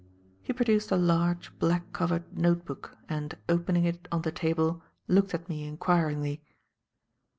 He produced a large, black covered notebook and, opening it on the table, looked at me inquiringly.